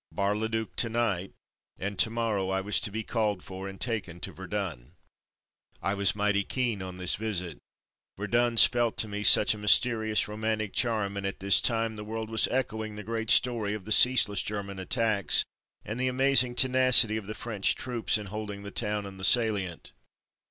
Bar le duc to night, and to morrow I was to be called for and taken to Verdun. I Bar le Duc 189 was mighty keen on this visit. Verdun spelt to me such a mysterious, romantic charm, and at this time the world was echo ing the great story of the ceaseless German attacks, and the amazing tenacity of the French troops in holding the town and the salient.